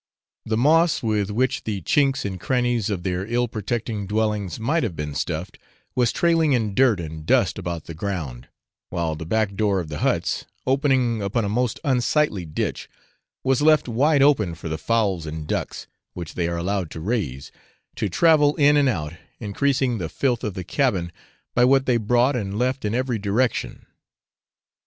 The moss with which the chinks and crannies of their ill protecting dwellings might have been stuffed, was trailing in dirt and dust about the ground, while the back door of the huts, opening upon a most unsightly ditch, was left wide open for the fowls and ducks, which they are allowed to raise, to travel in and out, increasing the filth of the cabin, by what they brought and left in every direction.